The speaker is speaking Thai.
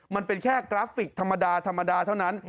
มันเป็นแค่กราฟฟิกฯธรรมดาเท่านั้น